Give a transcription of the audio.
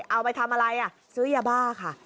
เอาไปทำอะไรซื้อยาบ้าค่ะ